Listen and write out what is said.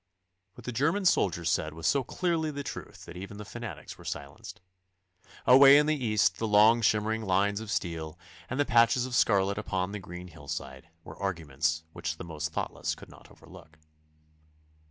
What the German soldier said was so clearly the truth that even the fanatics were silenced. Away in the east the long shimmering lines of steel, and the patches of scarlet upon the green hillside, were arguments which the most thoughtless could not overlook.